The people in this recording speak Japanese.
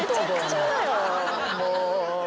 もう。